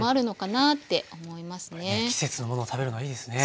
これね季節のものを食べるのはいいですね。